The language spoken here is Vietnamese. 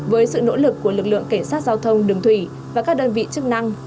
với sự nỗ lực của lực lượng cảnh sát giao thông đường thủy và các đơn vị chức năng